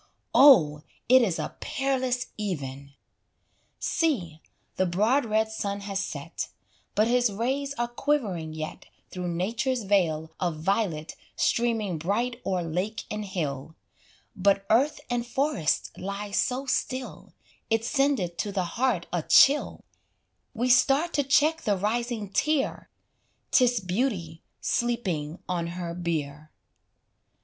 Oh, it is a peerless even! See, the broad red sun has set, But his rays are quivering yet Through Nature's vale of violet Streaming bright o'er lake and hill, But earth and forest lie so still, It sendeth to the heart a chill; We start to check the rising tear 'Tis beauty sleeping on her bier.